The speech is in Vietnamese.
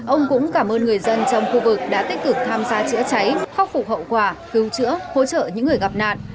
ông cũng cảm ơn người dân trong khu vực đã tích cực tham gia chữa cháy khắc phục hậu quả cứu chữa hỗ trợ những người gặp nạn